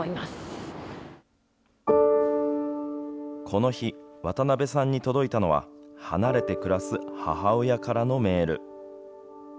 この日、渡邉さんに届いたのは、離れて暮らす母親からのメール。